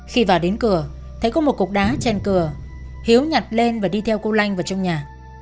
khi vào đến cửa thấy có một cục đá trên cửa hiếu nhặt lên và đi theo cô lanh vào trong nhà